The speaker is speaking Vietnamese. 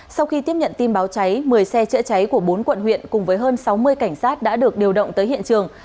sau khi tiếp nhận tin báo cháy một mươi xe chữa cháy của bốn quận huyện cùng với hơn sáu mươi cảnh sát đã được điều động tới hiện trường